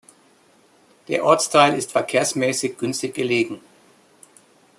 Der Ortsteil ist verkehrsmäßig günstig gelegen.